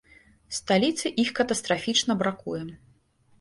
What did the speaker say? Сталіцы іх катастрафічна бракуе.